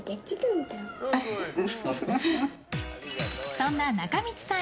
そんな中道さん